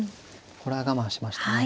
これは我慢しましたね。